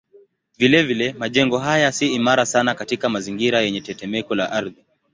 Vilevile majengo haya si imara sana katika mazingira yenye tetemeko la ardhi.